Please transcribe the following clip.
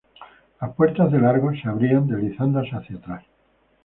Las puertas del Argos se abrían deslizándose hacia atrás.